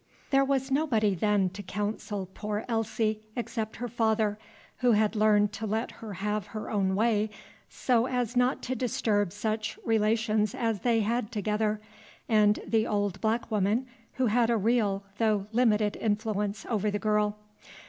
There was nobody, then, to counsel poor Elsie, except her father, who had learned to let her have her own way so as not to disturb such relations as they had together, and the old black woman, who had a real, though limited influence over the girl.